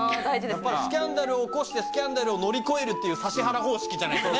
スキャンダルを起こして、スキャンダルを乗り越える指原方式じゃないと。